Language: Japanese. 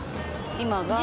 今が。